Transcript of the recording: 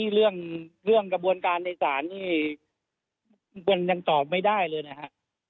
เรื่องกระบวนการในศาลนี่มันยังตอบไม่ได้เลยนะฮะ